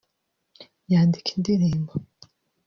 yandika indirimbo